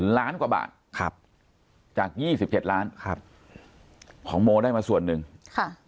ล้านกว่าบาทครับจากยี่สิบเจ็ดล้านครับของโมได้มาส่วนหนึ่งค่ะ